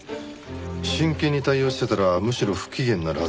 真剣に対応してたらむしろ不機嫌になるはず。